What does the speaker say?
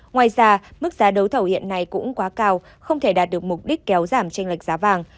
ngoài ra mức giá đấu thầu hiện nay cũng quá cao không thể đạt được mục đích kéo giảm tranh lệch giá vàng